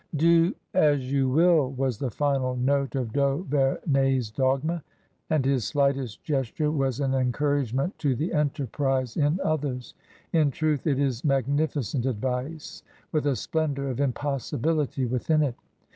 " Do as you wUll^ was the final note of d'Auverney's dogma, and his slightest gesture was an encouragement to the enterprise in others. In truth, it is magnificent advice with a splendour of impossibility within it.